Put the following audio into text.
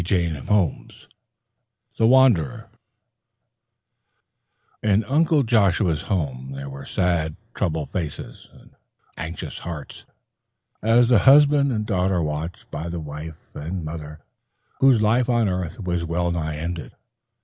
CHAPTER XXV THE WANDERER In Uncle Joshua's home there were sad, troubled faces and anxious hearts, as the husband and daughter watched by the wife and mother, whose life on earth was well nigh ended.